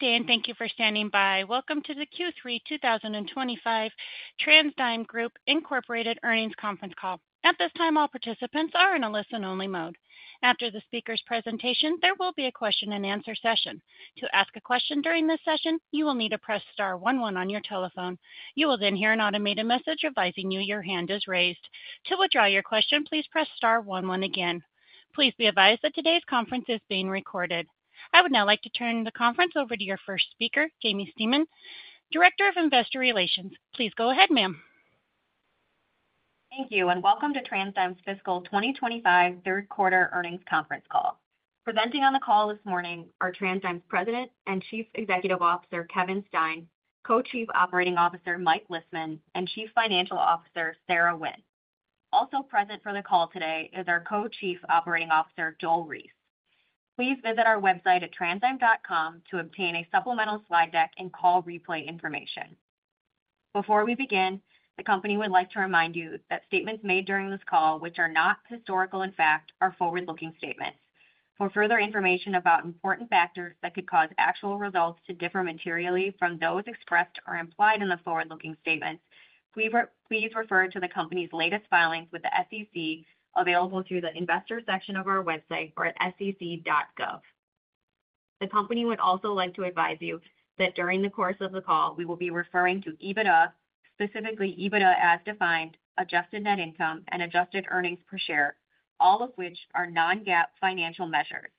Thank you for standing by. Welcome to the Q3 2025 TransDigm Group Incorporated Earnings Conference Call. At this time, all participants are in a listen-only mode. After the speaker's presentation, there will be a question-and-answer session. To ask a question during this session, you will need to press star one one on your telephone. You will then hear an automated message advising you your hand is raised. To withdraw your question, please press star one one again. Please be advised that today's conference is being recorded. I would now like to turn the conference over to your first speaker, Jaimie Stemen, Director of Investor Relations. Please go ahead, ma'am. Thank you, and welcome to TransDigm Group Fiscal 2025 Third Quarter Earnings Conference Call. Presenting on the call this morning are TransDigm's President and Chief Executive Officer, Kevin Stein, Co-Chief Operating Officer, Mike Lisman, and Chief Financial Officer, Sarah Wynne. Also present for the call today is our Co-Chief Operating Officer, Joel Reiss. Please visit our website at transdigm.com to obtain a supplemental slide deck and call replay information. Before we begin, the company would like to remind you that statements made during this call, which are not historical in fact, are forward-looking statements. For further information about important factors that could cause actual results to differ materially from those expressed or implied in the forward-looking statements, please refer to the company's latest filings with the SEC available through the Investor section of our website or at sec.gov The company would also like to advise you that during the course of the call, we will be referring to EBITDA, specifically EBITDA as defined, adjusted net income, and adjusted earnings per share, all of which are non-GAAP financial measures.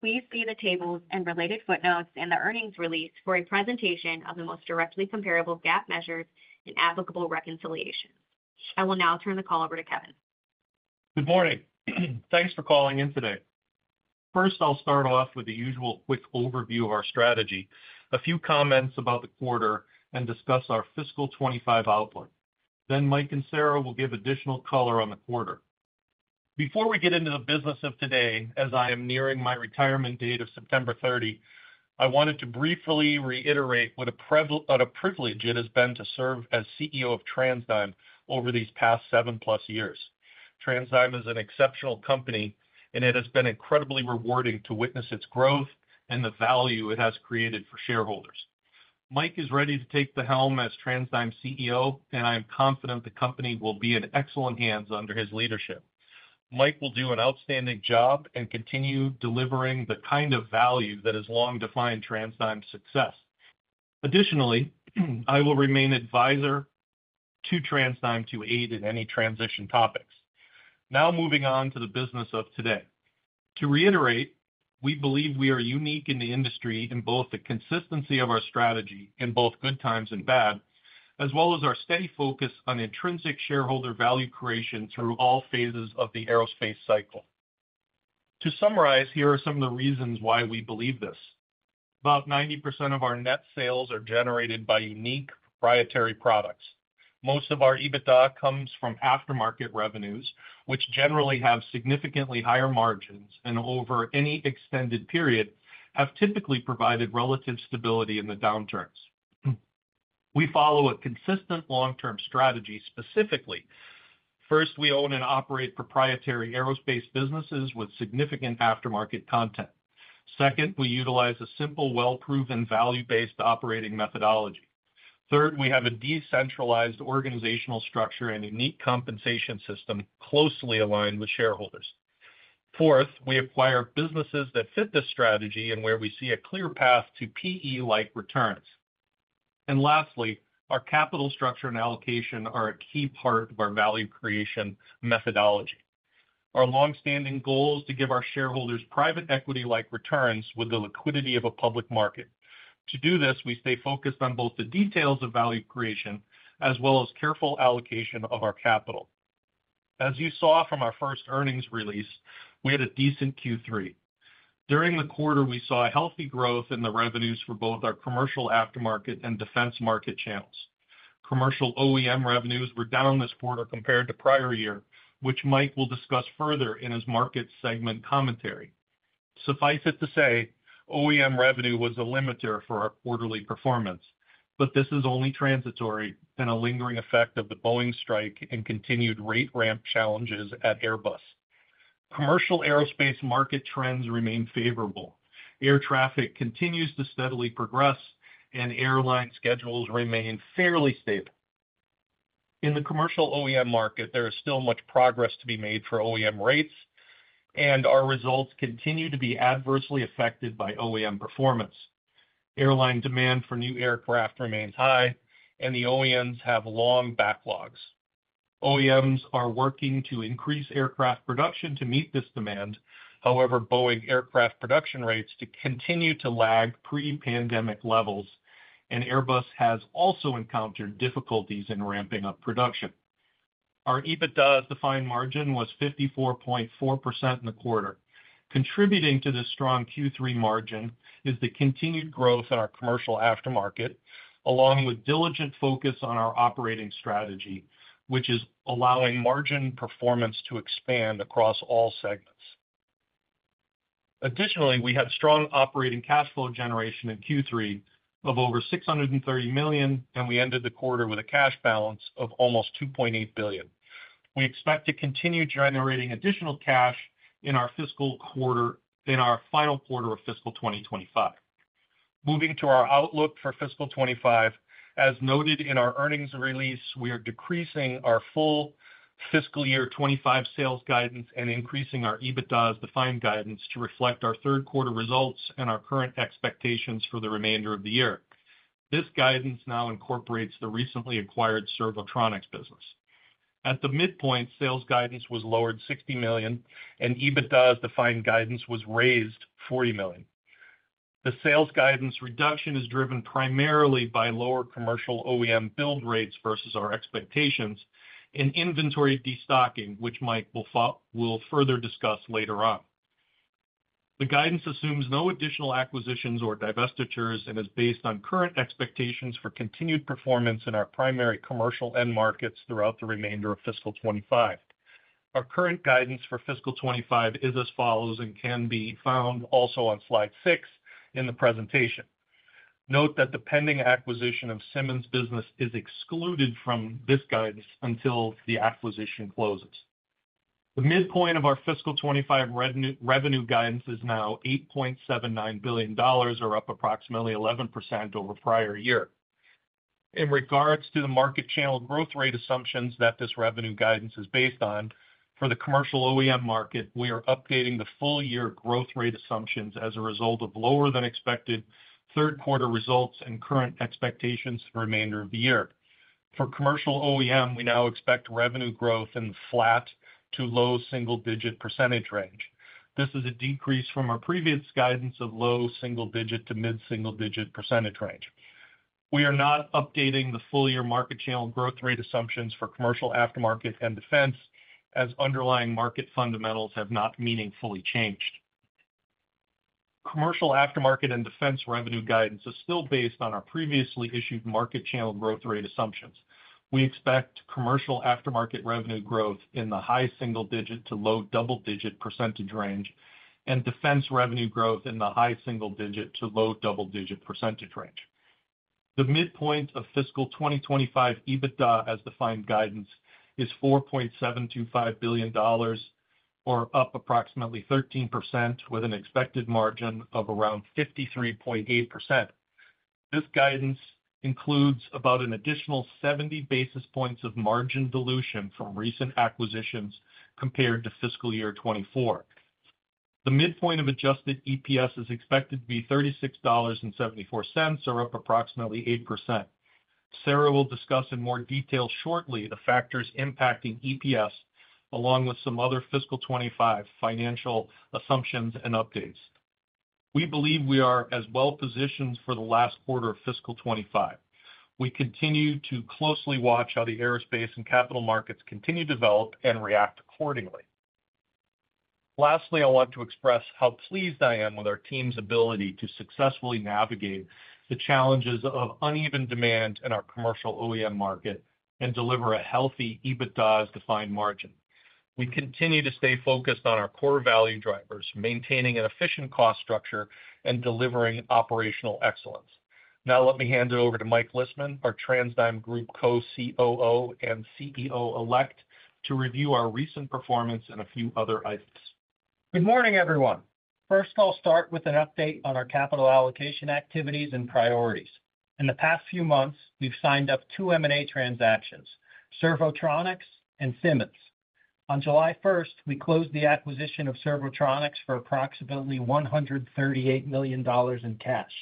Please see the tables and related footnotes in the earnings release for a presentation of the most directly comparable GAAP measures and applicable reconciliation. I will now turn the call over to Kevin. Good morning. Thanks for calling in today. First, I'll start off with the usual quick overview of our strategy, a few comments about the quarter, and discuss our fiscal 2025 outlook. Then Mike and Sarah will give additional color on the quarter. Before we get into the business of today, as I am nearing my retirement date of September 30, I wanted to briefly reiterate what a privilege it has been to serve as CEO of TransDigm Group Incorporated over these past 7+ years. TransDigm is an exceptional company, and it has been incredibly rewarding to witness its growth and the value it has created for shareholders. Mike is ready to take the helm as TransDigm's CEO, and I am confident the company will be in excellent hands under his leadership. Mike will do an outstanding job and continue delivering the kind of value that has long defined TransDigm's success. Additionally, I will remain an advisor to TransDigm to aid in any transition topics. Now moving on to the business of today. To reiterate, we believe we are unique in the industry in both the consistency of our strategy in both good times and bad, as well as our steady focus on intrinsic shareholder value creation through all phases of the aerospace cycle. To summarize, here are some of the reasons why we believe this. About 90% of our net sales are generated by unique proprietary products. Most of our EBITDA comes from aftermarket revenues, which generally have significantly higher margins and, over any extended period, have typically provided relative stability in the downturns. We follow a consistent long-term strategy, specifically. First, we own and operate proprietary aerospace businesses with significant aftermarket content. Second, we utilize a simple, well-proven, value-based operating methodology. Third, we have a decentralized organizational structure and unique compensation system closely aligned with shareholders. Fourth, we acquire businesses that fit this strategy and where we see a clear path to private equity-like returns. Lastly, our capital structure and allocation are a key part of our value creation methodology. Our longstanding goal is to give our shareholders private equity-like returns with the liquidity of a public market. To do this, we stay focused on both the details of value creation as well as careful allocation of our capital. As you saw from our first earnings release, we had a decent Q3. During the quarter, we saw healthy growth in the revenues for both our commercial aftermarket and defense market channels. Commercial OEM revenues were down this quarter compared to prior year, which Mike will discuss further in his market segment commentary. Suffice it to say, OEM revenue was a limiter for our quarterly performance, but this is only transitory and a lingering effect of the Boeing strike and continued rate ramp challenges at Airbus. Commercial aerospace market trends remain favorable. Air traffic continues to steadily progress, and airline schedules remain fairly stable. In the commercial OEM market, there is still much progress to be made for OEM rates, and our results continue to be adversely affected by OEM performance. Airline demand for new aircraft remains high, and the OEMs have long backlogs. OEMs are working to increase aircraft production to meet this demand. However, Boeing aircraft production rates continue to lag pre-pandemic levels, and Airbus has also encountered difficulties in ramping up production. Our EBITDA as defined margin was 54.4% in the quarter. Contributing to the strong Q3 margin is the continued growth in our commercial aftermarket, along with diligent focus on our operating strategy, which is allowing margin performance to expand across all segments. Additionally, we had strong operating cash flow generation in Q3 of over $630 million, and we ended the quarter with a cash balance of almost $2.8 billion. We expect to continue generating additional cash in our final quarter of fiscal 2025. Moving to our outlook for fiscal 2025, as noted in our earnings release, we are decreasing our full fiscal year 2025 sales guidance and increasing our EBITDA as defined guidance to reflect our third quarter results and our current expectations for the remainder of the year. This guidance now incorporates the recently acquired Servotronics business. At the midpoint, sales guidance was lowered $60 million, and EBITDA as defined guidance was raised $40 million. The sales guidance reduction is driven primarily by lower commercial OEM build rates versus our expectations and inventory destocking, which Mike will further discuss later on. The guidance assumes no additional acquisitions or divestitures and is based on current expectations for continued performance in our primary commercial end markets throughout the remainder of fiscal 2025. Our current guidance for fiscal 2025 is as follows and can be found also on slide six in the presentation. Note that the pending acquisition of Siemens Precision is excluded from this guidance until the acquisition closes. The midpoint of our fiscal 2025 revenue guidance is now $8.79 billion, or up approximately 11% over prior year. In regards to the market channel growth rate assumptions that this revenue guidance is based on, for the commercial OEM market, we are updating the full year growth rate assumptions as a result of lower than expected third quarter results and current expectations for the remainder of the year. For commercial OEM, we now expect revenue growth in the flat to low single-digit percentage range. This is a decrease from our previous guidance of low single-digit to mid-single-digit percentage range. We are not updating the full year market channel growth rate assumptions for commercial aftermarket and defense as underlying market fundamentals have not meaningfully changed. Commercial aftermarket and defense revenue guidance is still based on our previously issued market channel growth rate assumptions. We expect commercial aftermarket revenue growth in the high single-digit to low double-digit percentage range and defense revenue growth in the high single-digit to low double-digit percentage range. The midpoint of fiscal 2025 EBITDA as defined guidance is $4.725 billion, or up approximately 13%, with an expected margin of around 53.8%. This guidance includes about an additional 70 basis points of margin dilution from recent acquisitions compared to fiscal year 2024. The midpoint of adjusted EPS is expected to be $36.74, or up approximately 8%. Sarah will discuss in more detail shortly the factors impacting EPS, along with some other fiscal 2025 financial assumptions and updates. We believe we are as well positioned for the last quarter of fiscal 2025. We continue to closely watch how the aerospace and capital markets continue to develop and react accordingly. Lastly, I want to express how pleased I am with our team's ability to successfully navigate the challenges of uneven demand in our commercial OEM market and deliver a healthy EBITDA as defined margin. We continue to stay focused on our core value drivers, maintaining an efficient cost structure and delivering operational excellence. Now let me hand it over to Mike Lisman, our TransDigm Group Co-COO and CEO-elect, to review our recent performance and a few other items. Good morning, everyone. First, I'll start with an update on our capital allocation activities and priorities. In the past few months, we've signed up two M&A transactions, Servotronics and Siemens Precision. On July 1st, we closed the acquisition of Servotronics for approximately $138 million in cash.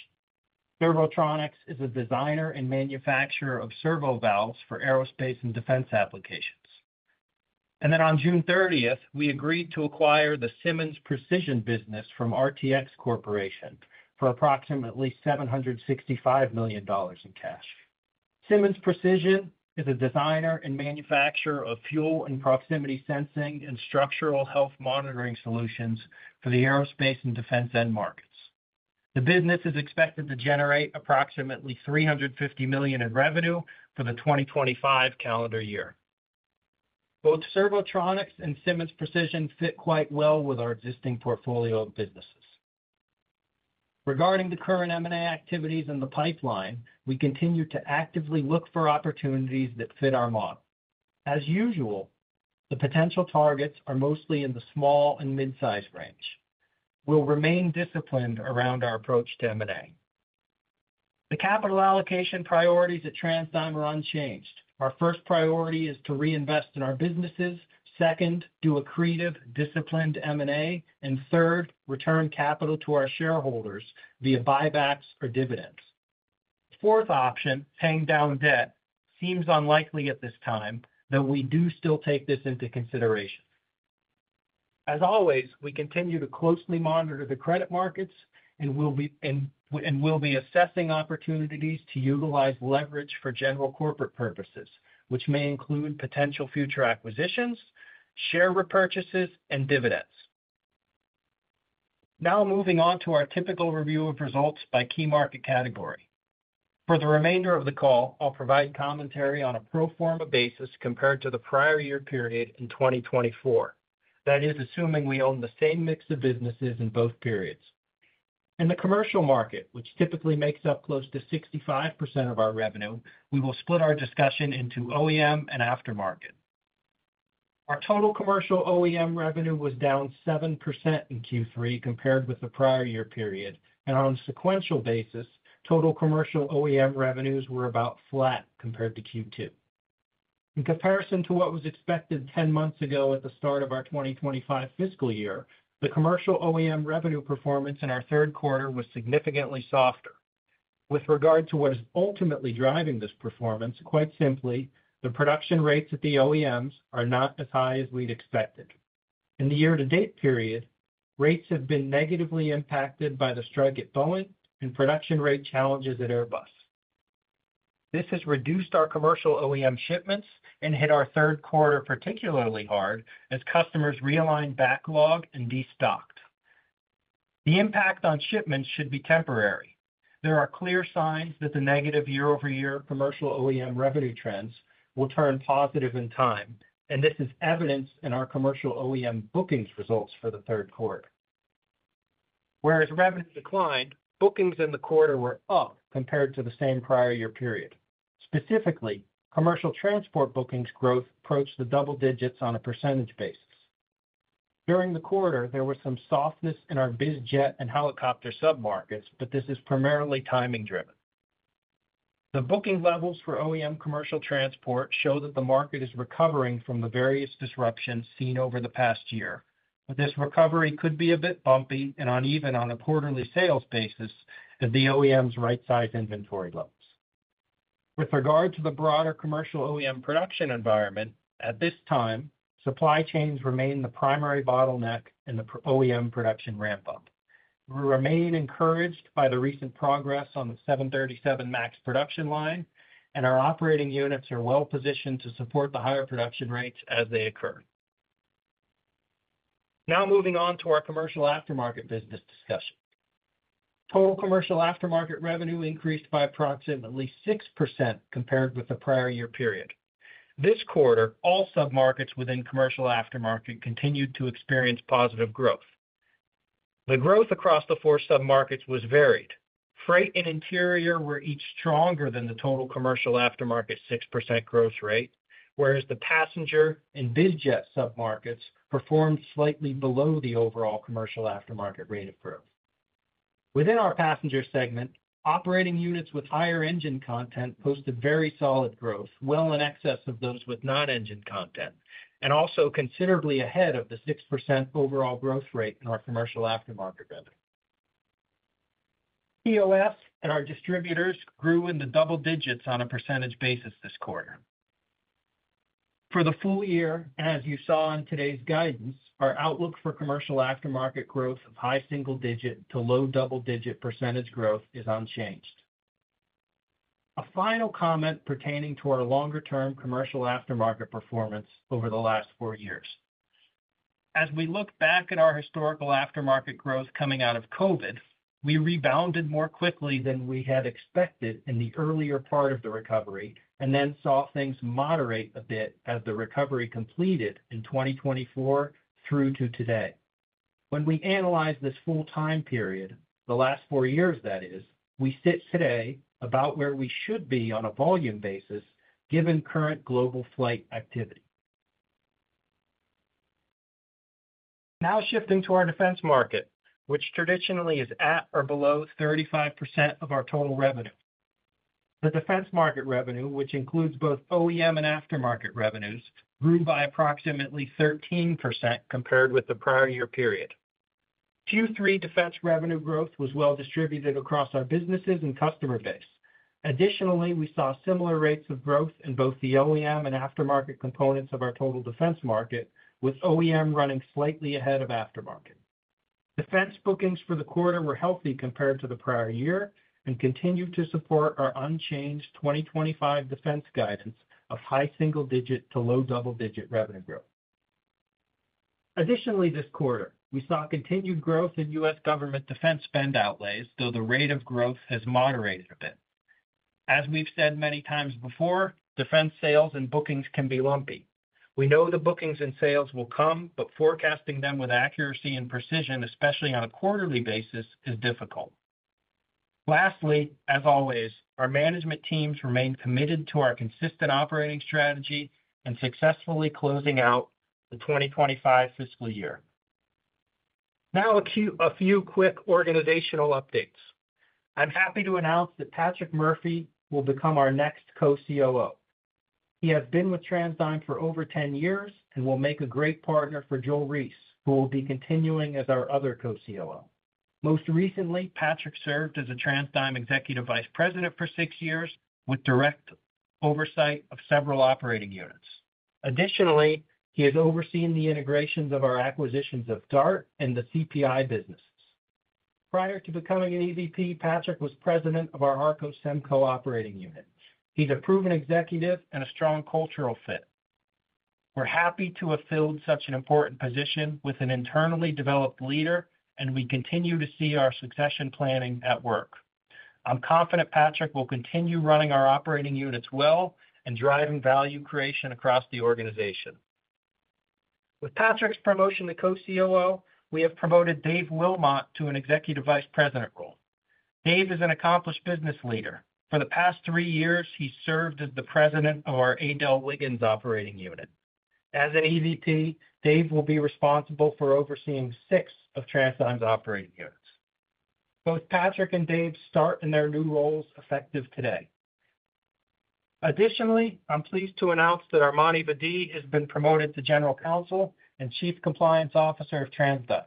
Servotronics is a designer and manufacturer of servo valves for aerospace and defense applications. On June 30, we agreed to acquire the Siemens Precision business from RTX Corporation for approximately $765 million in cash. Siemens Precision is a designer and manufacturer of fuel and proximity sensing and structural health monitoring solutions for the aerospace and defense end markets. The business is expected to generate approximately $350 million in revenue for the 2025 calendar year. Both Servotronics and Siemens Precision fit quite well with our existing portfolio of businesses. Regarding the current M&A activities in the pipeline, we continue to actively look for opportunities that fit our model. As usual, the potential targets are mostly in the small and mid-size range. We'll remain disciplined around our approach to M&A. The capital allocation priorities at TransDigm are unchanged. Our first priority is to reinvest in our businesses. Second, do accretive, disciplined M&A. Third, return capital to our shareholders via buybacks or dividends. The fourth option, paying down debt, seems unlikely at this time, though we do still take this into consideration. As always, we continue to closely monitor the credit markets and will be assessing opportunities to utilize leverage for general corporate purposes, which may include potential future acquisitions, share repurchases, and dividends. Now moving on to our typical review of results by key market category. For the remainder of the call, I'll provide commentary on a pro forma basis compared to the prior year period in 2024. That is, assuming we own the same mix of businesses in both periods. In the commercial market, which typically makes up close to 65% of our revenue, we will split our discussion into OEM and aftermarket. Our total commercial OEM revenue was down 7% in Q3 compared with the prior year period. On a sequential basis, total commercial OEM revenues were about flat compared to Q2. In comparison to what was expected 10 months ago at the start of our 2025 fiscal year, the commercial OEM revenue performance in our third quarter was significantly softer. With regard to what is ultimately driving this performance, quite simply, the production rates at the OEMs are not as high as we'd expected. In the year-to-date period, rates have been negatively impacted by the strike at Boeing and production rate challenges at Airbus. This has reduced our commercial OEM shipments and hit our third quarter particularly hard as customers realigned, backlogged, and destocked. The impact on shipments should be temporary. There are clear signs that the negative year-over-year commercial OEM revenue trends will turn positive in time, and this is evidenced in our commercial OEM bookings results for the third quarter. Whereas revenue declined, bookings in the quarter were up compared to the same prior year period. Specifically, commercial transport bookings growth approached the double digits on a percent basis. During the quarter, there was some softness in our biz jet and helicopter submarkets, but this is primarily timing driven. The booking levels for OEM commercial transport show that the market is recovering from the various disruptions seen over the past year. This recovery could be a bit bumpy and uneven on a quarterly sales basis if the OEMs right-size inventory loads. With regard to the broader commercial OEM production environment, at this time, supply chains remain the primary bottleneck in the OEM production ramp-up. We remain encouraged by the recent progress on the 737 MAX production line, and our operating units are well positioned to support the higher production rates as they occur. Now moving on to our commercial aftermarket business discussion. Total commercial aftermarket revenue increased by approximately 6% compared with the prior year period. This quarter, all submarkets within commercial aftermarket continued to experience positive growth. The growth across the four submarkets was varied. Freight and interior were each stronger than the total commercial aftermarket 6% growth rate, whereas the passenger and biz jet submarkets performed slightly below the overall commercial aftermarket rate of growth. Within our passenger segment, operating units with higher engine content posted very solid growth, well in excess of those with not engine content, and also considerably ahead of the 6% overall growth rate in our commercial aftermarket revenue. POS and our distributors grew in the double digits on a percentage basis this quarter. For the full year, as you saw in today's guidance, our outlook for commercial aftermarket growth of high single-digit to low double-digit percentage growth is unchanged. A final comment pertaining to our longer-term commercial aftermarket performance over the last four years. As we look back at our historical aftermarket growth coming out of COVID, we rebounded more quickly than we had expected in the earlier part of the recovery and then saw things moderate a bit as the recovery completed in 2024 through to today. When we analyze this full time period, the last four years, that is, we sit today about where we should be on a volume basis given current global flight activity. Now shifting to our defense market, which traditionally is at or below 35% of our total revenue. The defense market revenue, which includes both OEM and aftermarket revenues, grew by approximately 13% compared with the prior year period. Q3 defense revenue growth was well distributed across our businesses and customer base. Additionally, we saw similar rates of growth in both the OEM and aftermarket components of our total defense market, with OEM running slightly ahead of aftermarket. Defense bookings for the quarter were healthy compared to the prior year and continue to support our unchanged 2025 defense guidance of high single-digit to low double-digit revenue growth. Additionally, this quarter, we saw continued growth in U.S. government defense spend outlays, though the rate of growth has moderated a bit. As we've said many times before, defense sales and bookings can be lumpy. We know the bookings and sales will come, but forecasting them with accuracy and precision, especially on a quarterly basis, is difficult. Lastly, as always, our management teams remain committed to our consistent operating strategy and successfully closing out the 2025 fiscal year. Now, a few quick organizational updates. I'm happy to announce that Patrick Murphy will become our next Co-COO. He has been with TransDigm for over 10 years and will make a great partner for Joel Reiss, who will be continuing as our other Co-COO. Most recently, Patrick served as a TransDigm Executive Vice President for six years with direct oversight of several operating units. Additionally, he has overseen the integrations of our acquisitions of DART and the CPI businesses. Prior to becoming an Executive Vice President, Patrick was President of our HarcoSemco operating unit. He's a proven executive and a strong cultural fit. We're happy to have filled such an important position with an internally developed leader, and we continue to see our succession planning at work. I'm confident Patrick will continue running our operating units well and driving value creation across the organization. With Patrick's promotion to Co-COO, we have promoted Dave Wilmot to an Executive Vice President role. Dave is an accomplished business leader. For the past three years, he served as the President of our AdelWiggins operating unit. As an EVP, Dave will be responsible for overseeing six of TransDigm's operating units. Both Patrick and Dave start in their new roles effective today. Additionally, I'm pleased to announce that Arman Vadid has been promoted to General Counsel and Chief Compliance Officer of TransDigm.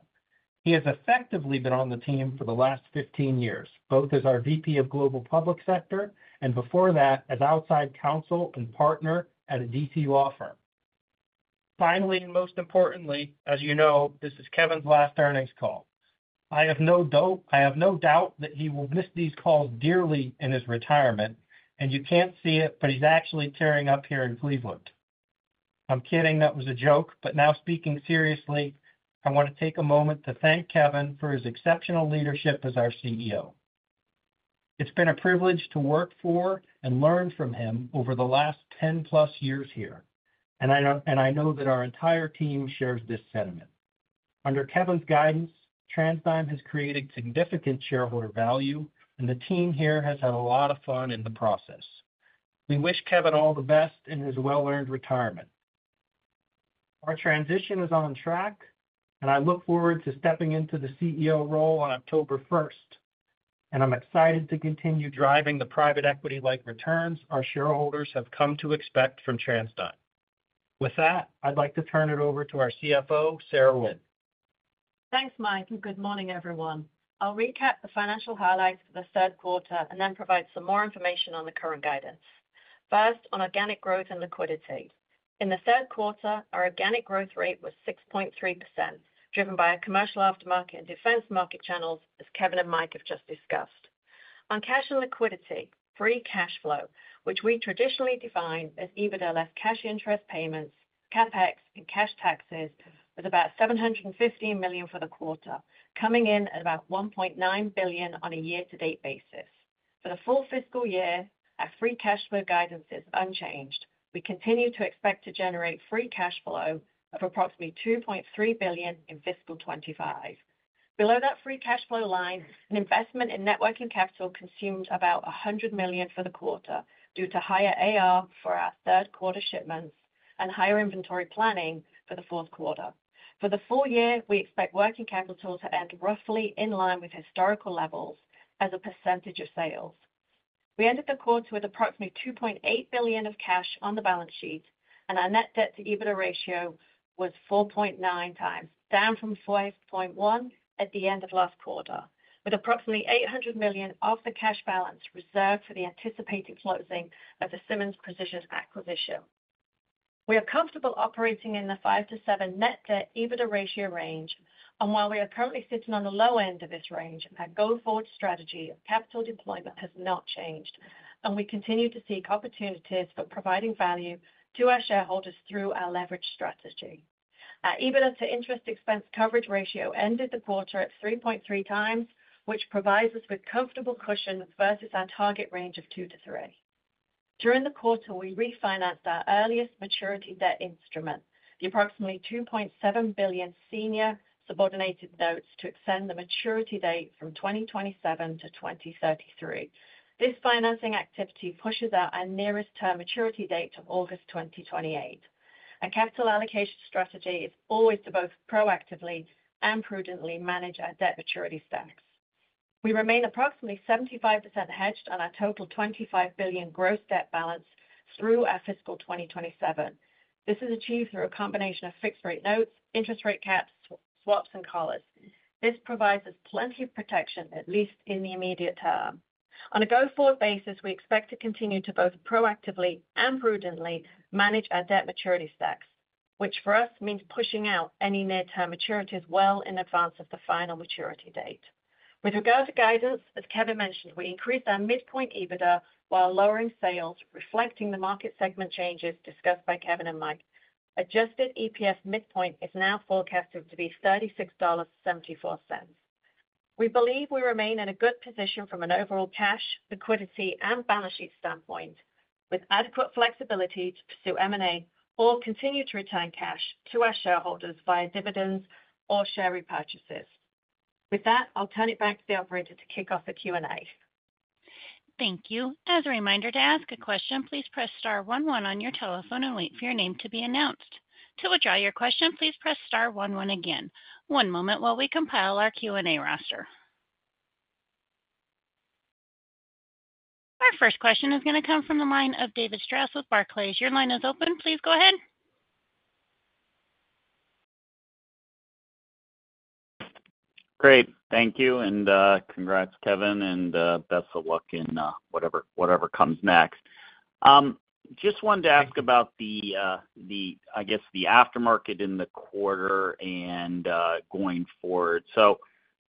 He has effectively been on the team for the last 15 years, both as our VP of Global Public Sector and before that, as outside counsel and partner at a DC law firm. Finally, and most importantly, as you know, this is Kevin's last earnings call. I have no doubt that he will miss these calls dearly in his retirement, and you can't see it, but he's actually tearing up here in Cleveland. I'm kidding, that was a joke, but now speaking seriously, I want to take a moment to thank Kevin for his exceptional leadership as our CEO. It's been a privilege to work for and learn from him over the last 10+ years here, and I know that our entire team shares this sentiment. Under Kevin's guidance, TransDigm has created significant shareholder value, and the team here has had a lot of fun in the process. We wish Kevin all the best in his well-earned retirement. Our transition is on track, and I look forward to stepping into the CEO role on October 1st. I'm excited to continue driving the private equity-like returns our shareholders have come to expect from TransDigm. With that, I'd like to turn it over to our CFO, Sarah Wynne. Thanks, Mike, and good morning, everyone. I'll recap the financial highlights for the third quarter and then provide some more information on the current guidance. First, on organic growth and liquidity. In the third quarter, our organic growth rate was 6.3%, driven by our commercial aftermarket and defense market channels, as Kevin and Mike have just discussed. On cash and liquidity, free cash flow, which we traditionally define as EBITDA less cash interest payments, CapEx, and cash taxes, was about $715 million for the quarter, coming in at about $1.9 billion on a year-to-date basis. For the full fiscal year, our free cash flow guidance is unchanged. We continue to expect to generate free cash flow of approximately $2.3 billion in fiscal 2025. Below that free cash flow line, an investment in net working capital consumed about $100 million for the quarter due to higher AR for our third quarter shipments and higher inventory planning for the fourth quarter. For the full year, we expect working capital to end roughly in line with historical levels as a percentage of sales. We ended the quarter with approximately $2.8 billion of cash on the balance sheet, and our net debt to EBITDA ratio was 4.9x, down from 5.1x at the end of last quarter, with approximately $800 million of the cash balance reserved for the anticipated closing of the Siemens Precision acquisition. We are comfortable operating in the 5-7 net debt/EBITDA ratio range. While we are currently sitting on the lower end of this range, our go-forward strategy of capital deployment has not changed, and we continue to seek opportunities for providing value to our shareholders through our leverage strategy. Our EBITDA to interest expense coverage ratio ended the quarter at 3.3x, which provides us with comfortable cushions versus our target range of 2-3. During the quarter, we refinanced our earliest maturity debt instrument, the approximately $2.7 billion senior subordinated notes, to extend the maturity date from 2027 to 2033. This financing activity pushes out our nearest term maturity date to August 2028. Our capital allocation strategy is always to both proactively and prudently manage our debt maturity stack. We remain approximately 75% hedged on our total $25 billion gross debt balance through our fiscal 2027. This is achieved through a combination of fixed-rate notes, interest rate caps, swaps, and collars. This provides us plenty of protection, at least in the immediate term. On a go-forward basis, we expect to continue to both proactively and prudently manage our debt maturity stacks, which for us means pushing out any near-term maturities well in advance of the final maturity date. With regard to guidance, as Kevin mentioned, we increased our midpoint EBITDA while lowering sales, reflecting the market segment changes discussed by Kevin and Mike. Adjusted EPS midpoint is now forecasted to be $36.74. We believe we remain in a good position from an overall cash, liquidity, and balance sheet standpoint, with adequate flexibility to pursue M&A or continue to return cash to our shareholders via dividends or share repurchases. With that, I'll turn it back to the operator to kick off the Q&A. Thank you. As a reminder, to ask a question, please press star one one on your telephone and wait for your name to be announced. To withdraw your question, please press star one one again. One moment while we compile our Q&A roster. Our first question is going to come from the line of David Strauss with Barclays. Your line is open. Please go ahead. Great. Thank you, and congrats, Kevin, and best of luck in whatever comes next. I just wanted to ask about the aftermarket in the quarter and going forward.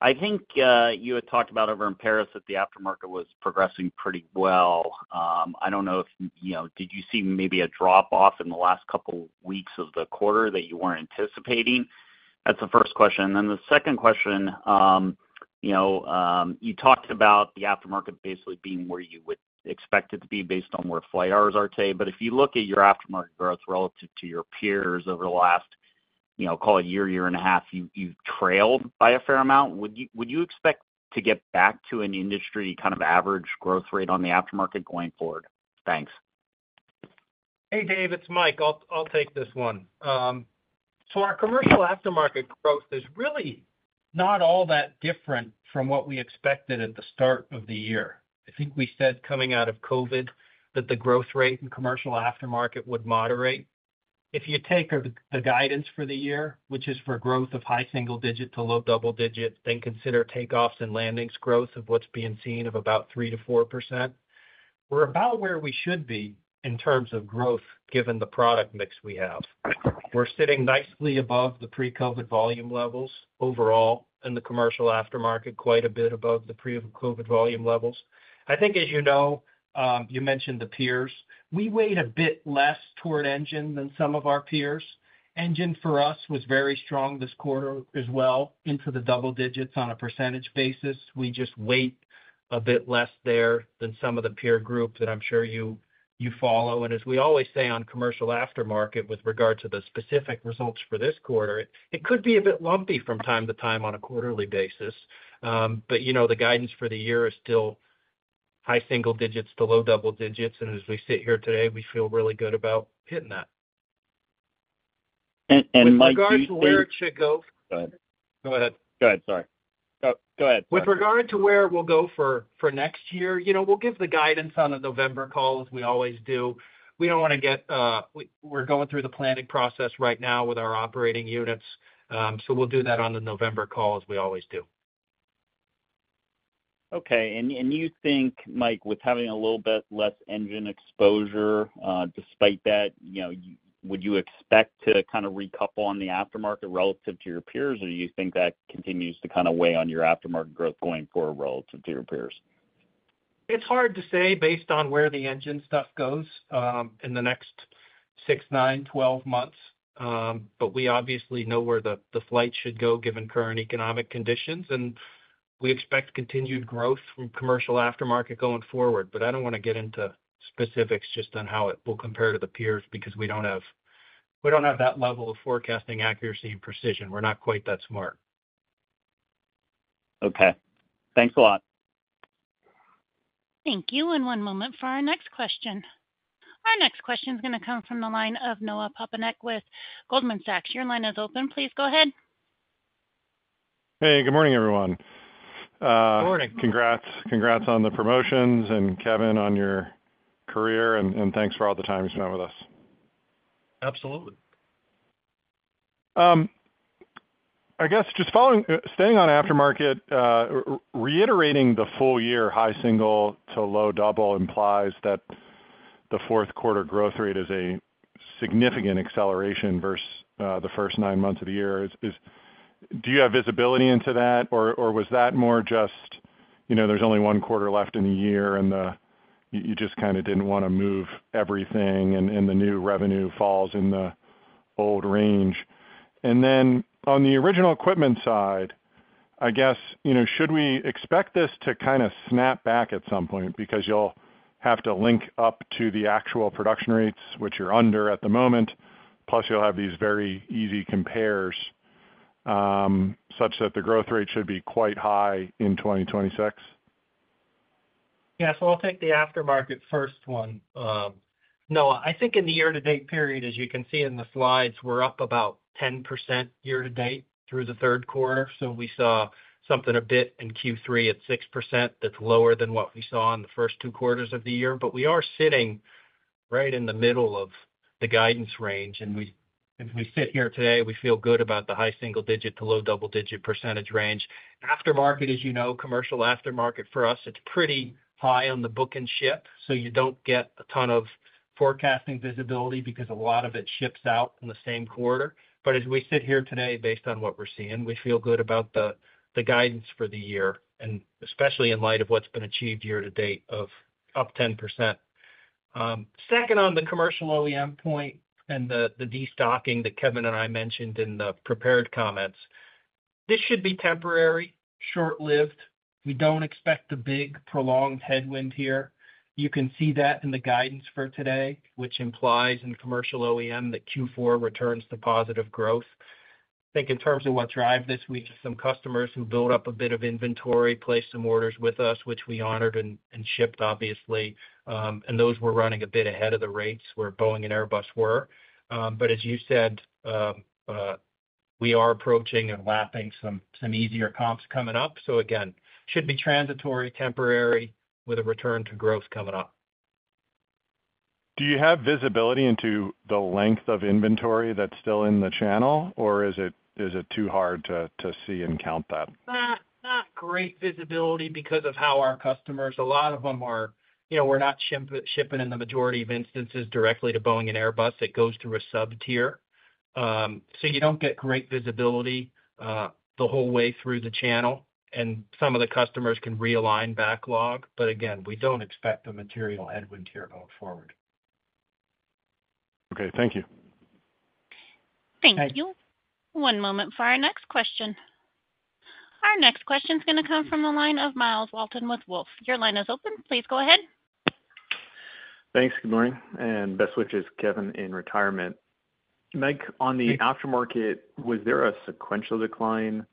I think you had talked about over in Paris that the aftermarket was progressing pretty well. I don't know if you saw maybe a drop-off in the last couple of weeks of the quarter that you weren't anticipating. That's the first question. The second question, you talked about the aftermarket basically being where you would expect it to be based on where flight hours are today. If you look at your aftermarket growth relative to your peers over the last, call it a year, year and a half, you trailed by a fair amount. Would you expect to get back to an industry kind of average growth rate on the aftermarket going forward? Thanks. Hey, Dave, it's Mike. I'll take this one. Our commercial aftermarket growth is really not all that different from what we expected at the start of the year. I think we said coming out of COVID that the growth rate in commercial aftermarket would moderate. If you take the guidance for the year, which is for growth of high single-digit to low double-digit, then consider takeoffs and landings growth of what's being seen of about 34%, we're about where we should be in terms of growth given the product mix we have. We're sitting nicely above the pre-COVID volume levels overall in the commercial aftermarket, quite a bit above the pre-COVID volume levels. I think, as you know, you mentioned the peers. We weighed a bit less toward engine than some of our peers. Engine for us was very strong this quarter as well, into the double digits on a percentage basis. We just weighed a bit less there than some of the peer group that I'm sure you follow. As we always say on commercial aftermarket with regard to the specific results for this quarter, it could be a bit lumpy from time to time on a quarterly basis. The guidance for the year is still high single digits to low double digits. As we sit here today, we feel really good about hitting that. And Mike. With regard to where it should go. Go ahead. Go ahead. Go ahead. Sorry, go ahead. With regard to where we'll go for next year, you know, we'll give the guidance on a November call as we always do. We don't want to get, we're going through the planning process right now with our operating units. We'll do that on the November call as we always do. Okay. Mike, with having a little bit less engine exposure, despite that, would you expect to kind of recouple on the aftermarket relative to your peers, or do you think that continues to kind of weigh on your aftermarket growth going forward relative to your peers? It's hard to say based on where the engine stuff goes in the next 6, 9, 12 months. We obviously know where the flight should go given current economic conditions, and we expect continued growth from commercial aftermarket going forward. I don't want to get into specifics just on how it will compare to the peers because we don't have that level of forecasting accuracy and precision. We're not quite that smart. Okay, thanks a lot. Thank you. One moment for our next question. Our next question is going to come from the line of Noah Poponak with Goldman Sachs. Your line is open. Please go ahead. Hey, good morning, everyone. Morning. Congrats on the promotions and Kevin on your career, and thanks for all the time you spent with us. Absolutely. I guess just following, staying on aftermarket, reiterating the full year high single to low double implies that the fourth quarter growth rate is a significant acceleration versus the first nine months of the year. Do you have visibility into that, or was that more just, you know, there's only one quarter left in the year, and you just kind of didn't want to move everything, and the new revenue falls in the old range? On the original equipment side, I guess, you know, should we expect this to kind of snap back at some point because you'll have to link up to the actual production rates, which you're under at the moment, plus you'll have these very easy compares such that the growth rate should be quite high in 2026? Yeah, so I'll take the aftermarket first one. No, I think in the year-to-date period, as you can see in the slides, we're up about 10% year-to-date through the third quarter. We saw something a bit in Q3 at 6% that's lower than what we saw in the first two quarters of the year. We are sitting right in the middle of the guidance range, and as we sit here today, we feel good about the high single-digit to low double-digit percentage range. Aftermarket, as you know, commercial aftermarket for us, it's pretty high on the book and ship. You don't get a ton of forecasting visibility because a lot of it ships out in the same quarter. As we sit here today, based on what we're seeing, we feel good about the guidance for the year, especially in light of what's been achieved year-to-date of up 10%. Second, on the commercial OEM point and the destocking that Kevin and I mentioned in the prepared comments, this should be temporary, short-lived. We don't expect the big prolonged headwind here. You can see that in the guidance for today, which implies in commercial OEM that Q4 returns to positive growth. I think in terms of what drives this, we just have some customers who built up a bit of inventory, placed some orders with us, which we honored and shipped, obviously. Those were running a bit ahead of the rates where Boeing and Airbus were. As you said, we are approaching and lapping some easier comps coming up. This should be transitory, temporary, with a return to growth coming up. Do you have visibility into the length of inventory that's still in the channel, or is it too hard to see and count that? Not great visibility because of how our customers, a lot of them are, you know, we're not shipping in the majority of instances directly to Boeing and Airbus. It goes through a sub-tier, so you don't get great visibility the whole way through the channel, and some of the customers can realign backlog. We don't expect a material headwind here going forward. Okay, thank you. Thank you. One moment for our next question. Our next question is going to come from the line of Myles Walton with Wolf Research. Your line is open. Please go ahead. Thanks. Good morning, and best wishes, Kevin, in retirement. Mike, on the aftermarket, was there a sequential decline?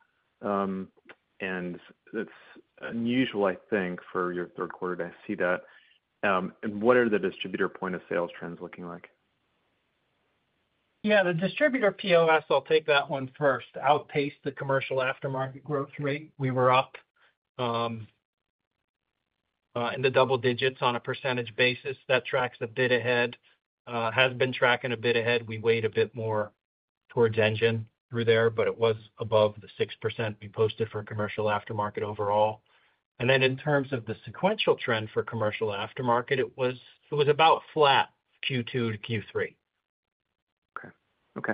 It's unusual, I think, for your third quarter to see that. What are the distributor point of sales trends looking like? Yeah, the distributor POS, I'll take that one first, outpaced the commercial aftermarket growth rate. We were up in the double digits on a percentage basis. That tracks a bit ahead, has been tracking a bit ahead. We weighed a bit more towards engine through there, but it was above the 6% we posted for commercial aftermarket overall. In terms of the sequential trend for commercial aftermarket, it was about flat Q2-Q3. Okay. Okay.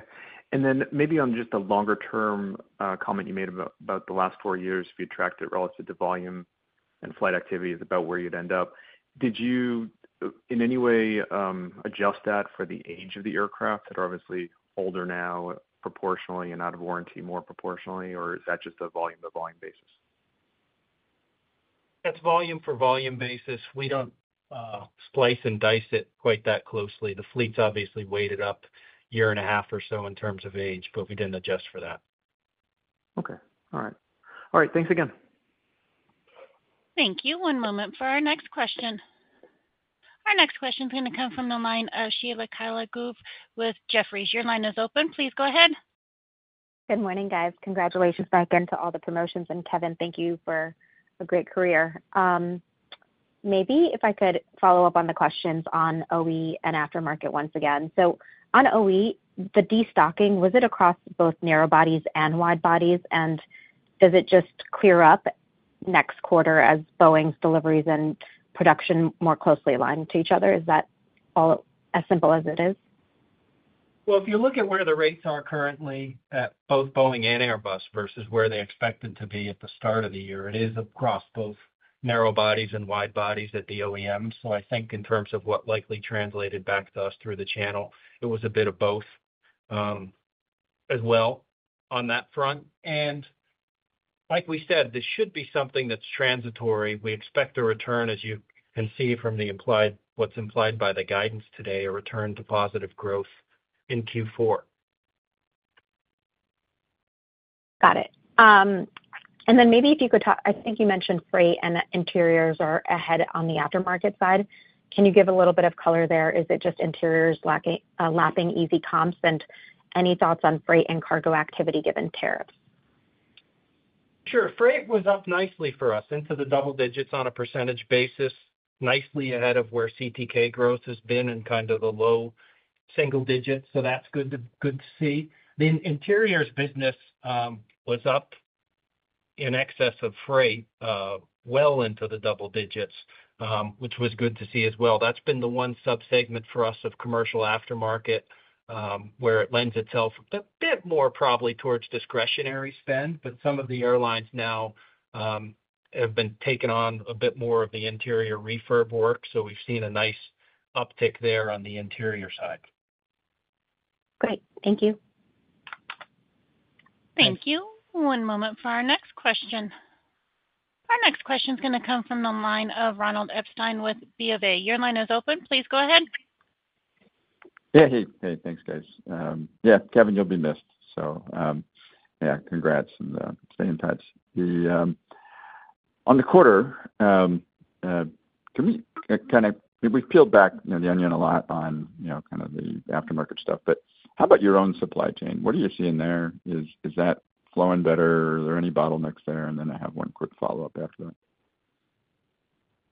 Maybe on just a longer-term comment you made about the last four years, if you tracked it relative to volume and flight activities about where you'd end up, did you in any way adjust that for the age of the aircraft that are obviously older now proportionally and out of warranty more proportionally, or is that just a volume-by-volume basis? That's volume-for-volume basis. We don't splice and dice it quite that closely. The fleets obviously weighted up a year and a half or so in terms of age, but we didn't adjust for that. Okay. All right. Thanks again. Thank you. One moment for our next question. Our next question is going to come from the line of Sheila Kahyaoglu with Jefferies. Your line is open. Please go ahead. Good morning, guys. Congratulations back into all the promotions, and Kevin, thank you for a great career. Maybe if I could follow up on the questions on OE and aftermarket once again. On OE, the destocking, was it across both narrow bodies and wide bodies, and does it just clear up next quarter as Boeing's deliveries and production more closely align to each other? Is that all as simple as it is? If you look at where the rates are currently at both Boeing and Airbus versus where they expect them to be at the start of the year, it is across both narrow bodies and wide bodies at the OEM. I think in terms of what likely translated back to us through the channel, it was a bit of both as well on that front. Like we said, this should be something that's transitory. We expect a return, as you can see from what's implied by the guidance today, a return to positive growth in Q4. Got it. Maybe if you could talk, I think you mentioned freight and interiors are ahead on the aftermarket side. Can you give a little bit of color there? Is it just interiors lapping easy comps, and any thoughts on freight and cargo activity given tariffs? Sure. Freight was up nicely for us into the double digits on a percentage basis, nicely ahead of where CPK growth has been in kind of the low single digits. That's good to see. The interiors business was up in excess of freight well into the double digits, which was good to see as well. That's been the one subsegment for us of commercial aftermarket where it lends itself a bit more probably towards discretionary spend. Some of the airlines now have been taking on a bit more of the interior refurb work. We've seen a nice uptick there on the interior side. Great, thank you. Thank you. One moment for our next question. Our next question is going to come from the line of Ronald Epstein with Bank of America. Your line is open. Please go ahead. Hey, thanks, guys. Yeah, Kevin, you'll be missed. Congrats and stay in touch. On the quarter, can we kind of, we've peeled back the onion a lot on the aftermarket stuff, but how about your own supply chain? What are you seeing there? Is that flowing better? Are there any bottlenecks there? I have one quick follow-up after that.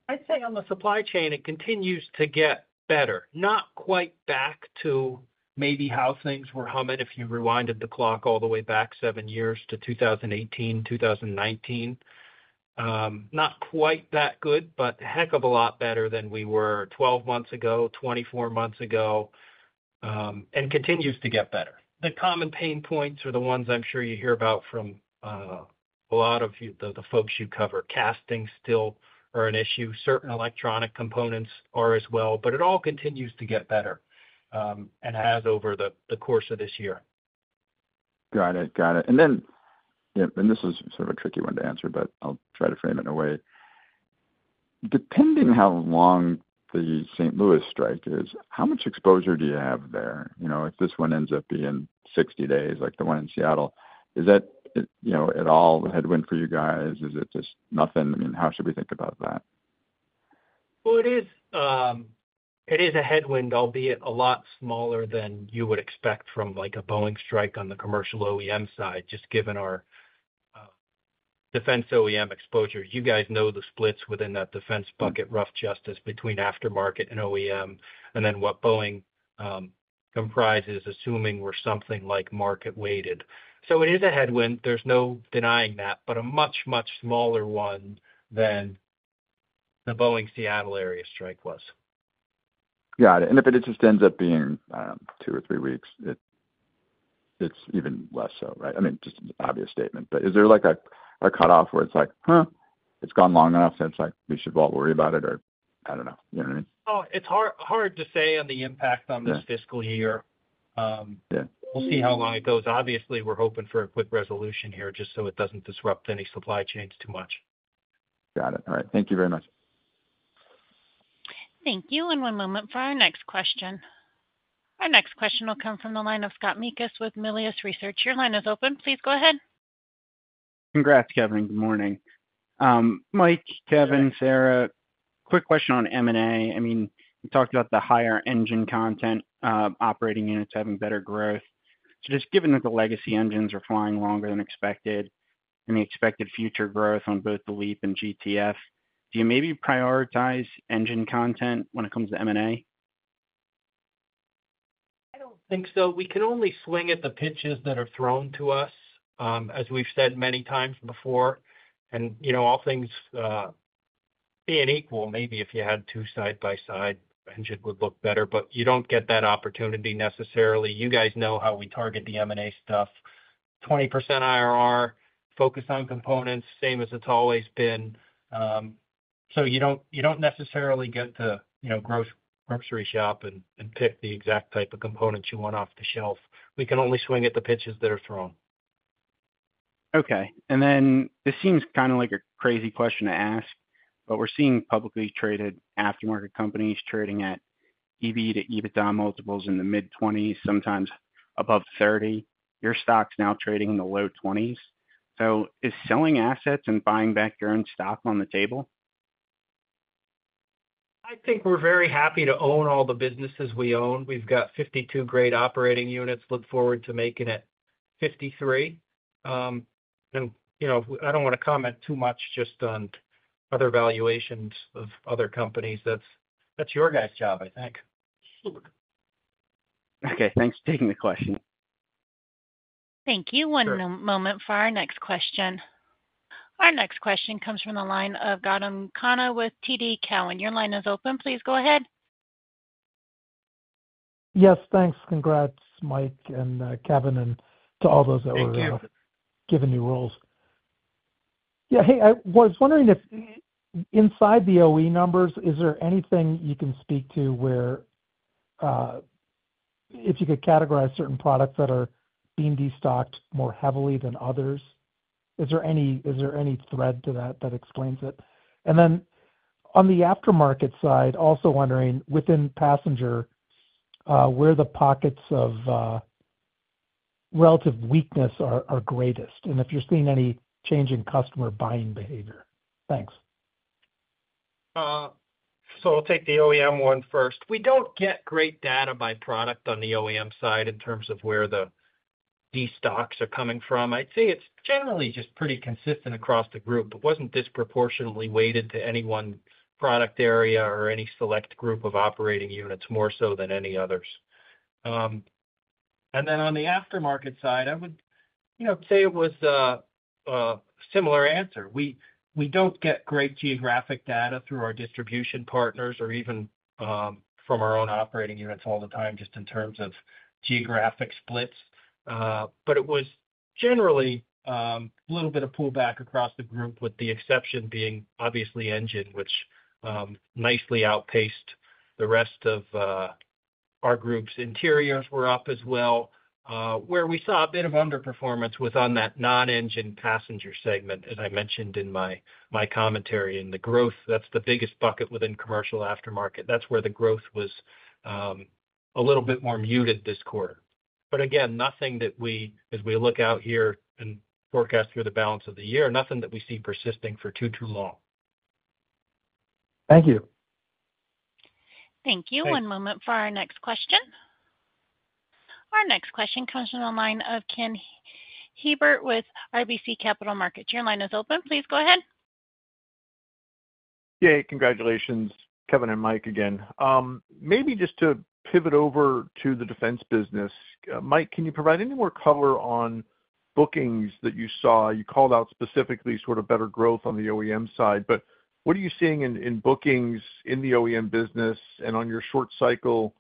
I'd say on the supply chain, it continues to get better, not quite back to maybe how things were humming if you rewinded the clock all the way back seven years to 2018, 2019. Not quite that good, but a heck of a lot better than we were 12 months ago, 24 months ago, and continues to get better. The common pain points are the ones I'm sure you hear about from a lot of the folks you cover. Castings still are an issue. Certain electronic components are as well, but it all continues to get better and has over the course of this year. Got it. This is sort of a tricky one to answer, but I'll try to frame it in a way. Depending on how long the St. Louis strike is, how much exposure do you have there? If this one ends up being 60 days, like the one in Seattle, is that at all a headwind for you guys? Is it just nothing? How should we think about that? It is a headwind, albeit a lot smaller than you would expect from like a Boeing strike on the commercial OEM side, just given our defense OEM exposure. You guys know the splits within that defense bucket, rough justice between aftermarket and OEM, and then what Boeing comprises, assuming we're something like market weighted. It is a headwind. There's no denying that, but a much, much smaller one than the Boeing Seattle area strike was. Got it. If it just ends up being, I don't know, two or three weeks, it's even less so, right? I mean, just an obvious statement. Is there like a cutoff where it's like, "Huh, it's gone long enough since like we should all worry about it," or I don't know. You know what I mean? It's hard to say on the impact on this fiscal year. We'll see how long it goes. Obviously, we're hoping for a quick resolution here just so it doesn't disrupt any supply chains too much. Got it. All right. Thank you very much. Thank you. One moment for our next question. Our next question will come from the line of Scott Mikus with Melius Research. Your line is open. Please go ahead. Congrats, Kevin. Good morning. Mike, Kevin, Sarah, quick question on M&A. You talked about the higher engine-content operating units having better growth. Just given that the legacy engines are flying longer than expected and the expected future growth on both the LEAP and GTF, do you maybe prioritize engine content when it comes to M&A? I think so. We can only swing at the pitches that are thrown to us, as we've said many times before. You know, all things being equal, maybe if you had two side-by-side, engine would look better, but you don't get that opportunity necessarily. You guys know how we target the M&A stuff: 20% IRR, focus on components, same as it's always been. You don't necessarily get to grocery shop and pick the exact type of components you want off the shelf. We can only swing at the pitches that are thrown. Okay. This seems kind of like a crazy question to ask, but we're seeing publicly traded aftermarket companies trading at EV to EBITDA multiples in the mid 20s, sometimes above 30. Your stock's now trading in the low 20s. Is selling assets and buying back your own stock on the table? I think we're very happy to own all the businesses we own. We've got 52 great operating units, look forward to making it 53. You know, I don't want to comment too much just on other valuations of other companies. That's your guys' job, I think. Okay, thanks for taking the question. Thank you. One moment for our next question. Our next question comes from the line of Gautam Khanna with TD Cowen. Your line is open. Please go ahead. Yes, thanks. Congrats, Mike and Kevin, and to all those that were given new roles. I was wondering if inside the OE numbers, is there anything you can speak to where if you could categorize certain products that are being destocked more heavily than others, is there any thread to that that explains it? On the aftermarket side, also wondering within passenger, where the pockets of relative weakness are greatest, and if you're seeing any change in customer buying behavior. Thanks. I'll take the OEM one first. We don't get great data by product on the OEM side in terms of where the destocks are coming from. I'd say it's generally just pretty consistent across the group. It wasn't disproportionately weighted to any one product area or any select group of operating units more so than any others. On the aftermarket side, I would say it was a similar answer. We don't get great geographic data through our distribution partners or even from our own operating units all the time, just in terms of geographic splits. It was generally a little bit of pullback across the group, with the exception being obviously engine, which nicely outpaced the rest of our groups. Interiors were up as well. Where we saw a bit of underperformance was on that non-engine passenger segment, as I mentioned in my commentary. The growth, that's the biggest bucket within commercial aftermarket. That's where the growth was a little bit more muted this quarter. Again, nothing that we, as we look out here and forecast through the balance of the year, nothing that we see persisting for too, too long. Thank you. Thank you. One moment for our next question. Our next question comes from the line of Ken Herbert with RBC Capital Markets. Your line is open. Please go ahead. Yeah, hey, congratulations, Kevin and Mike again. Maybe just to pivot over to the defense business, Mike, can you provide any more color on bookings that you saw? You called out specifically sort of better growth on the OEM side, but what are you seeing in bookings in the OEM business and on your short cycle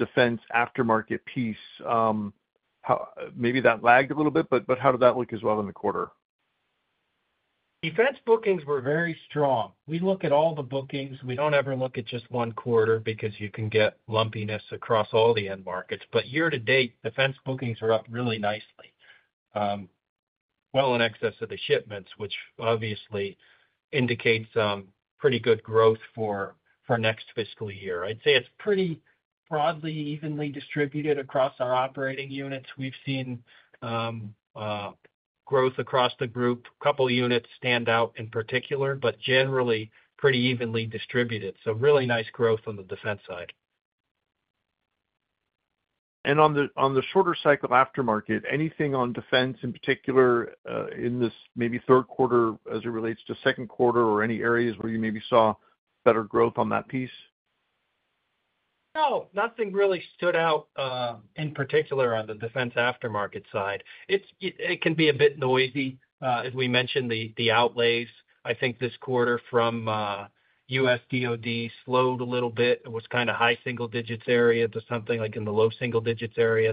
defense aftermarket piece? Maybe that lagged a little bit, but how did that look as well in the quarter? Defense bookings were very strong. We look at all the bookings. We don't ever look at just one quarter because you can get lumpiness across all the end markets. Year-to-date, defense bookings are up really nicely, well in excess of the shipments, which obviously indicates pretty good growth for our next fiscal year. I'd say it's pretty broadly, evenly distributed across our operating units. We've seen growth across the group. A couple of units stand out in particular, but generally pretty evenly distributed. Really nice growth on the defense side. On the shorter cycle aftermarket, is there anything on defense in particular in this maybe third quarter as it relates to second quarter, or any areas where you maybe saw better growth on that piece? No, nothing really stood out in particular on the defense aftermarket side. It can be a bit noisy. As we mentioned, the outlays, I think this quarter from U.S. DOD slowed a little bit. It was kind of high single digits area to something like in the low single digits area.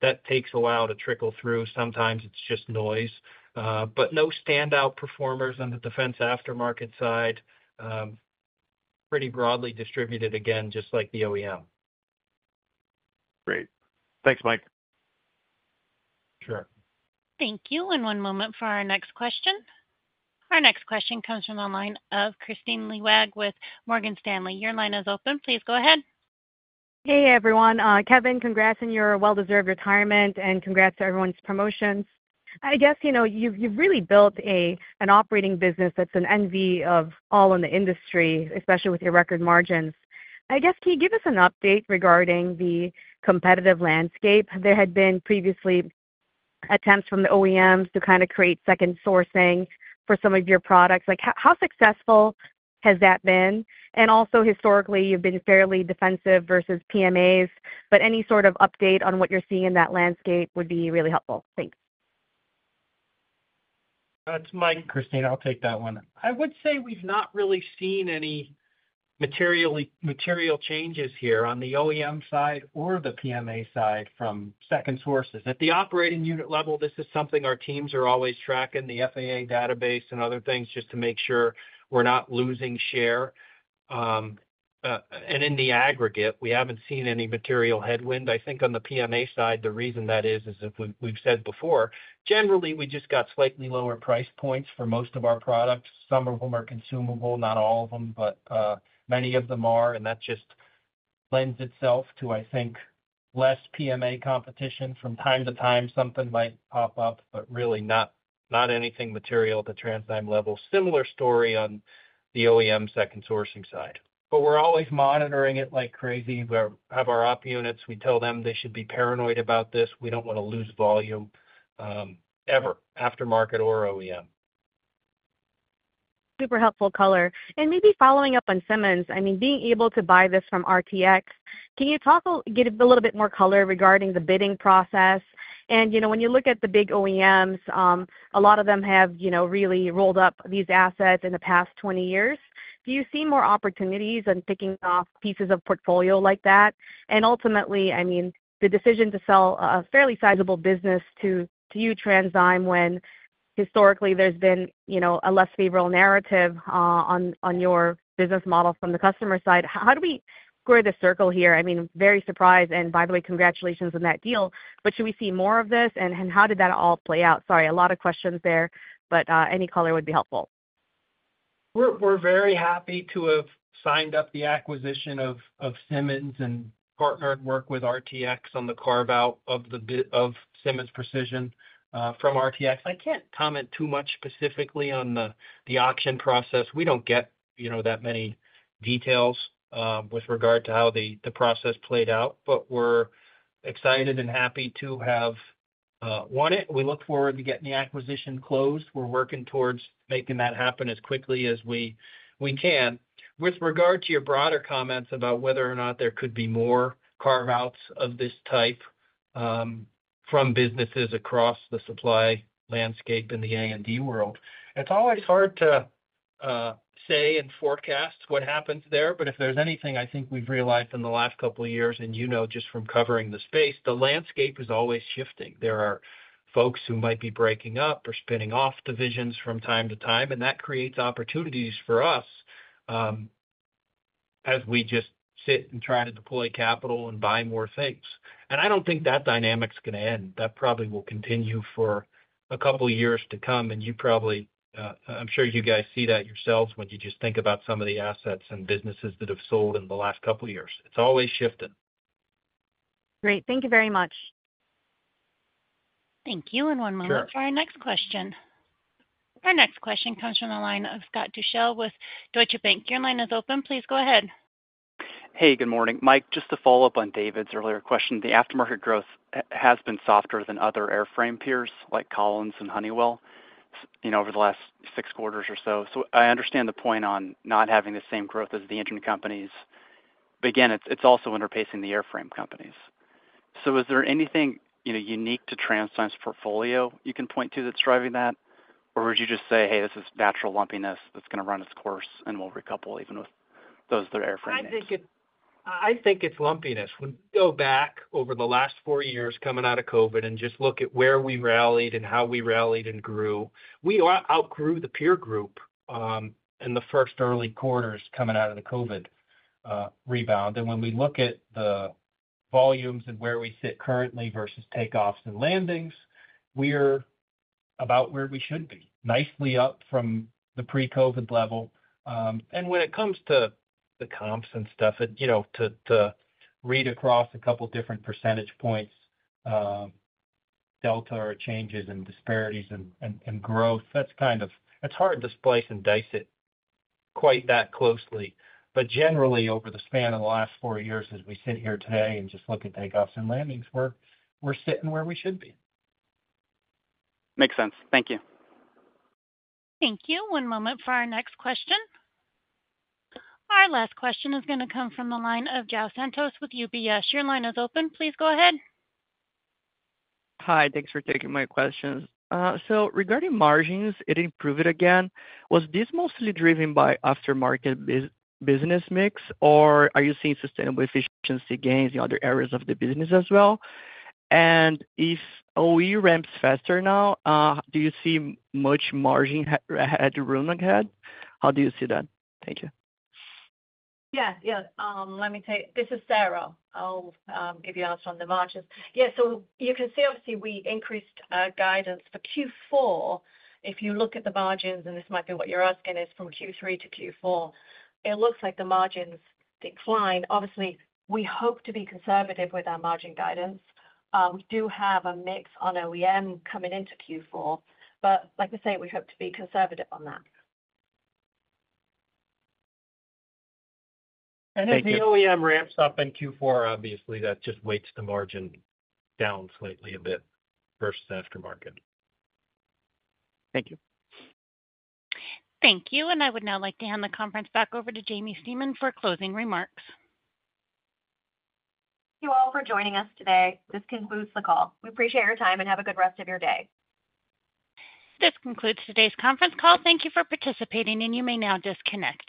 That takes a while to trickle through. Sometimes it's just noise. No standout performers on the defense aftermarket side. Pretty broadly distributed again, just like the OEM. Great. Thanks, Mike. Sure. Thank you. One moment for our next question. Our next question comes from the line of Kristine Liwag with Morgan Stanley. Your line is open. Please go ahead. Hey, everyone. Kevin, congrats on your well-deserved retirement and congrats to everyone's promotions. I guess, you know, you've really built an operating business that's an envy of all in the industry, especially with your record margins. Can you give us an update regarding the competitive landscape? There had been previously attempts from the OEMs to kind of create second sourcing for some of your products. How successful has that been? Also, historically, you've been fairly defensive versus PMAs. Any sort of update on what you're seeing in that landscape would be really helpful. Thanks. That's Mike, Kristine. I'll take that one. I would say we've not really seen any material changes here on the OEM side or the PMA side from second sources. At the operating unit level, this is something our teams are always tracking, the FAA database and other things, just to make sure we're not losing share. In the aggregate, we haven't seen any material headwind. I think on the PMA side, the reason that is, is as we've said before, generally, we just got slightly lower price points for most of our products. Some of them are consumable, not all of them, but many of them are. That just lends itself to, I think, less PMA competition. From time to time, something might pop up, really not anything material at the TransDigm level. Similar story on the OEM second sourcing side. We're always monitoring it like crazy. We have our op units. We tell them they should be paranoid about this. We don't want to lose volume ever, aftermarket or OEM. Super helpful color. Maybe following up on Siemens, I mean, being able to buy this from RTX, can you talk a little bit more color regarding the bidding process? When you look at the big OEMs, a lot of them have really rolled up these assets in the past 20 years. Do you see more opportunities on picking off pieces of portfolio like that? Ultimately, I mean, the decision to sell a fairly sizable business to you, TransDigm, when historically there's been a less favorable narrative on your business model from the customer side. How do we square the circle here? I mean, very surprised. By the way, congratulations on that deal. Should we see more of this? How did that all play out? Sorry, a lot of questions there, but any color would be helpful. We're very happy to have signed up the acquisition of Siemens Precision and partnered work with RTX Corporation on the carve-out of the bit of Siemens Precision from RTX. I can't comment too much specifically on the auction process. We don't get that many details with regard to how the process played out. We're excited and happy to have won it. We look forward to getting the acquisition closed. We're working towards making that happen as quickly as we can. With regard to your broader comments about whether or not there could be more carve-outs of this type from businesses across the supply landscape in the A&D world, it's always hard to say and forecast what happens there. If there's anything I think we've realized in the last couple of years, just from covering the space, the landscape is always shifting. There are folks who might be breaking up or spinning off divisions from time to time, and that creates opportunities for us as we just sit and try to deploy capital and buy more things. I don't think that dynamic's going to end. That probably will continue for a couple of years to come. You probably, I'm sure you guys see that yourselves when you just think about some of the assets and businesses that have sold in the last couple of years. It's always shifting. Great. Thank you very much. Thank you. One moment for our next question. Our next question comes from the line of Scott Duchelle with Deutsche Bank. Your line is open. Please go ahead. Hey, good morning. Mike, just to follow up on David's earlier question, the aftermarket growth has been softer than other airframe peers like Collins and Honeywell over the last six quarters or so. I understand the point on not having the same growth as the engine companies, but again, it's also underpacing the airframe companies. Is there anything unique to TransDigm's portfolio you can point to that's driving that, or would you just say, "Hey, this is natural lumpiness that's going to run its course and will recouple even with those that are airframe? I think it's lumpiness. When you go back over the last four years coming out of COVID and just look at where we rallied and how we rallied and grew, we outgrew the peer group in the first early quarters coming out of the COVID rebound. When we look at the volumes and where we sit currently versus takeoffs and landings, we're about where we should be, nicely up from the pre-COVID level. When it comes to the comps and stuff, to read across a couple of different percentage points, delta or changes and disparities in growth, that's kind of, it's hard to splice and dice it quite that closely. Generally, over the span of the last four years, as we sit here today and just look at takeoffs and landings, we're sitting where we should be. Makes sense. Thank you. Thank you. One moment for our next question. Our last question is going to come from the line of Joe Santos with UBS. Your line is open. Please go ahead. Hi. Thanks for taking my question. Regarding margins, it improved again. Was this mostly driven by aftermarket business mix, or are you seeing sustainable efficiency gains in other areas of the business as well? If OE ramps faster now, do you see much margin headroom ahead? How do you see that? Thank you. Yeah, let me take, this is Sarah. I'll give you us on the margins. Yeah, you can see, obviously, we've increased guidance. If you look at the margins in Q4, and this might be what you're asking, from Q3-Q4, it looks like the margins declined. Obviously, we hope to be conservative with our margin guidance. We do have a mix on OEM coming into Q4. Like I say, we hope to be conservative on that. If the OEM ramps up in Q4, obviously, that just weights the margin down slightly a bit versus aftermarket. Thank you. Thank you. I would now like to hand the conference back over to Jaimie Stemen for closing remarks. Thank you all for joining us today. This concludes the call. We appreciate your time and have a good rest of your day. This concludes today's conference call. Thank you for participating, and you may now disconnect.